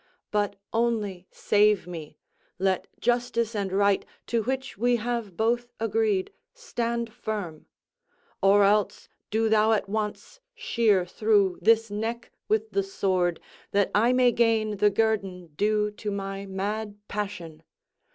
But only save me; let justice and right, to which we have both agreed, stand firm; or else do thou at once shear through this neck with the sword, that I may gain the guerdon due to my mad passion.